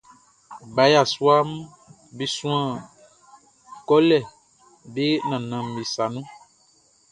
Ba yasuaʼm be suan kolɛ be nannanʼm be sa nun.